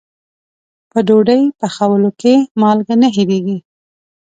په ډوډۍ پخولو کې مالګه نه هېریږي.